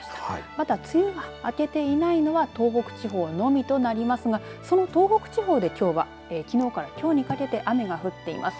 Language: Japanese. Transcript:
また梅雨は明けていないのが東北地方のみとなりますがその東北地方で、きょうはきのうからきょうにかけて雨が降っています。